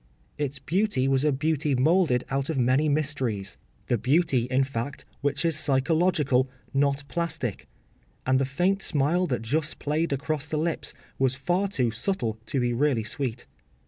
Its beauty was a beauty moulded out of many mysteries—the beauty, in fact, which is psychological, not plastic—and the faint smile that just played across the lips was far too subtle to be really sweet.